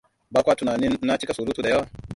Ba kwa tunanin na cika surutu da yawa?